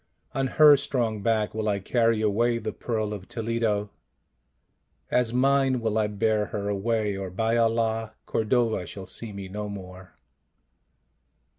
On her strong back will I carry away the Pearl of Toledo, as mine will I bear her away, or by Allah, Cordova shall see me no more."